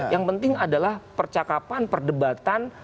yang penting adalah percakapan perdebatan